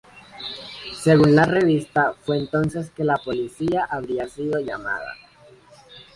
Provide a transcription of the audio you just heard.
Según la revista, fue entonces que la policía habría sido llamada.